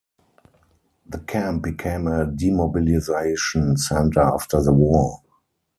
The camp became a demobilization center after the war.